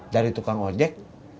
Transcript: dari tukang ojek